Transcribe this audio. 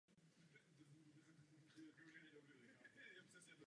Zastával četné hospodářské posty.